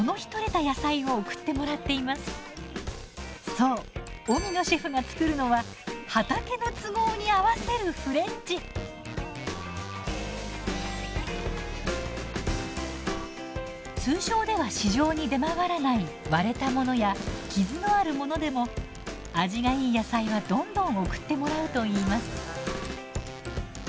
そう荻野シェフが作るのは通常では市場に出回らない割れたものや傷のあるものでも味がいい野菜はどんどん送ってもらうといいます。